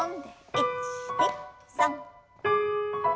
１２３。